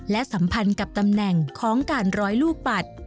และสัมพันธ์กับตำแหน่งของการร้อยลูกปัด